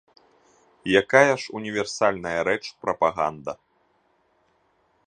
Якая ж універсальная рэч прапаганда.